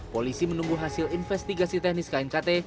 polisi menunggu hasil investigasi teknis knkt